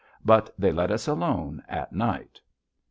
But they let us alone at night.